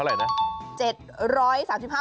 เท่าไหร่นะ